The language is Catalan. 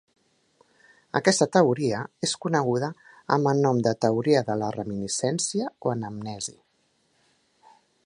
Aquesta teoria és coneguda amb el nom de teoria de la reminiscència o anamnesi.